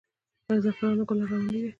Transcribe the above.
د زعفرانو ګل ارغواني دی